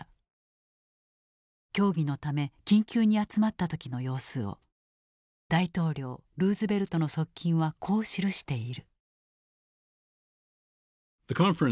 協議のため緊急に集まった時の様子を大統領ルーズベルトの側近はこう記している。